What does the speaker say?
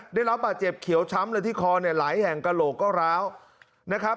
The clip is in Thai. ได้รับบาดเจ็บเขียวช้ำเลยที่คอเนี่ยหลายแห่งกระโหลกก็ร้าวนะครับ